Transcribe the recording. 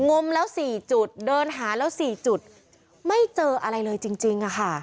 งมแล้ว๔จุดเดินหาแล้ว๔จุดไม่เจออะไรเลยจริงอะค่ะ